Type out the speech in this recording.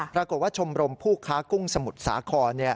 ปรากฏว่าชมรมผู้ค้ากุ้งสมุทรสาคร